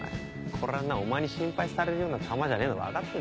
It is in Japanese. これはなお前に心配されるようなタマじゃねえの分かってんだろ。